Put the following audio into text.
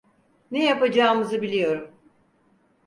Ne yapacağımızı biliyorum.